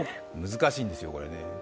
難しいんですよ、これね。